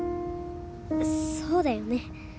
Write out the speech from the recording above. そうだよね。